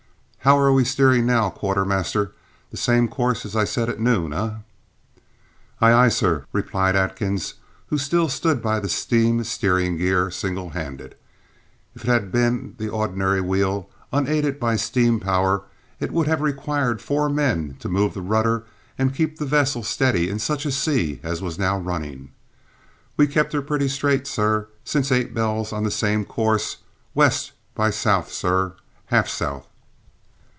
"How are we steering now, quartermaster? The same course as I set at noon, eh?" "Aye, aye, sir," replied Atkins, who still stood by the steam steering gear singlehanded. If it had been the ordinary wheel, unaided by steam power, it would have required four men to move the rudder and keep the vessel steady in such a sea as was now running. "We've kept her pretty straight, sir, since eight bells on the same course, west by south, sir, half south."